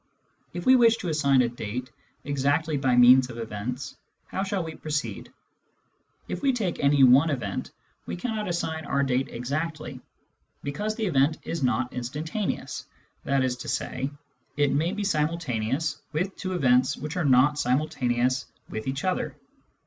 If we wish to assign a date exactly by means of events, how shall we proceed ? If We take any one event, we cannot assign our date exactly, because the event is not instantaneous, that is to say, it may be simultaneous with two events which are not simultaneous with each other.